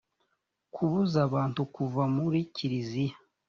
kubuza abantu kuva muri kiliziya